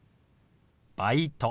「バイト」。